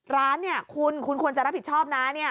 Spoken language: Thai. ร้านเนี่ยคุณควรจะรับผิดชอบนะ